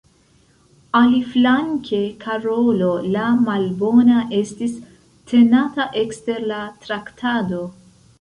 Aliflanke, Karolo la Malbona estis tenata ekster la traktado.